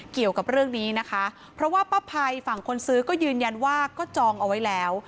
เกี่ยวกับเรื่องนี้นะคะเพราะว่าป้าภัยฝั่งคนซื้อก็ยืนยันว่าก็จองเอาไว้แล้ว